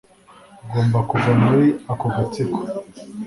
Ugomba kuva muri ako gatsiko